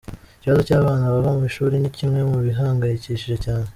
Ikibazo cy’abana bava mu ishuri ni kimwe mu bihangayikishije cyane.